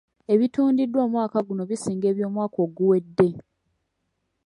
Ebitundiddwa omwaka guno bisinga eby'omwaka oguwedde.